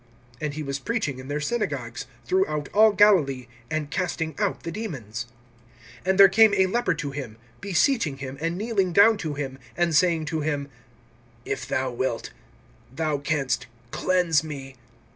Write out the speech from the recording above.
(39)And he was preaching in their synagogues, throughout all Galilee, and casting out the demons. (40)And there came a leper to him, beseeching him, and kneeling down to him, and saying to him: If thou wilt, thou canst cleanse me.